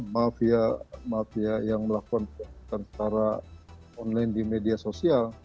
mafia mafia yang melakukan perbuatan secara online di media sosial